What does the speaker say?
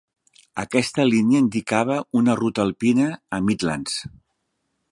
Aquesta línia indicava una ruta alpina a Midlands.